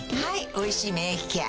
「おいしい免疫ケア」